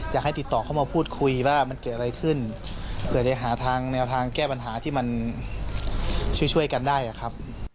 อยากให้ติดต่อเข้ามาพูดคุยว่ามันเกิดอะไรขึ้นเผื่อจะหาทางแนวทางแก้ปัญหาที่มันช่วยกันได้ครับ